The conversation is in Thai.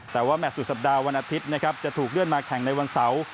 แต่ว่าแมทสุดสัปดาห์วันอาทิตย์นะครับจะถูกเลื่อนมาแข่งในวันเสาร์